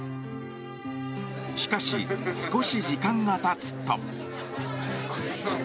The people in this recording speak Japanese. しかし、少し時間が経つと。